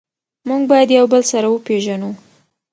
موږ باید یو بل سره وپیژنو.